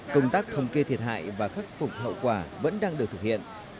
công tác thống kê thiệt hại và khắc phục hậu quả vẫn đang được thực hiện